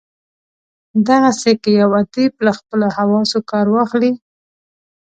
دغسي که یو ادیب له خپلو حواسو کار واخلي.